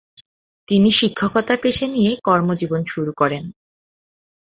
তিনি শিক্ষকতা পেশা নিয়ে কর্মজীবন শুরু করেন।